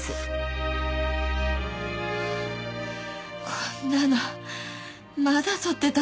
こんなのまだ取ってたの？